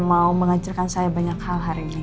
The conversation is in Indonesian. mau mengajarkan saya banyak hal hari ini